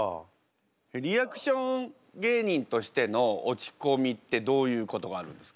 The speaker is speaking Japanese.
リアクション芸人としての落ちこみってどういうことがあるんですか？